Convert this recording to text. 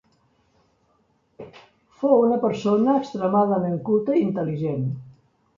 Fou una persona extremadament culta i intel·ligent.